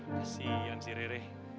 kasian si rere